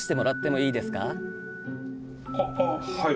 あっはい。